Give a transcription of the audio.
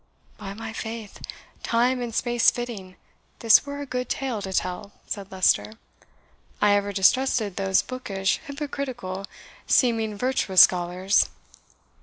"By my faith, time and space fitting, this were a good tale to tell," said Leicester. "I ever distrusted those bookish, hypocritical, seeming virtuous scholars.